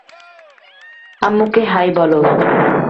আম্মুকে হাই বলো।